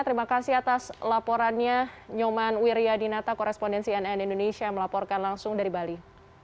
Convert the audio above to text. terima kasih atas laporannya nyoman wiryadinata korespondensi nn indonesia melaporkan langsung dari bali